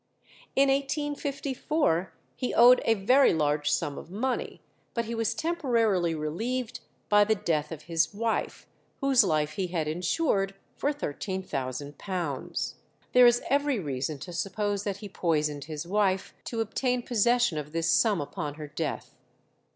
In 1854 he owed a very large sum of money, but he was temporarily relieved by the death of his wife, whose life he had insured for £13,000. There is every reason to suppose that he poisoned his wife to obtain possession of this sum upon her death.